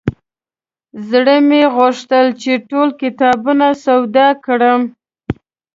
زړه مې غوښتل چې ټول کتابونه سودا کړم.